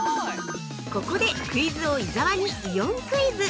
◆ここでクイズ王・伊沢にイオンクイズ。